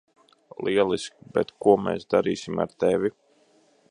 Lieliski, bet ko mēs darīsim ar tevi?